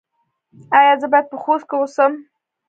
ایا زه باید په خوست کې اوسم؟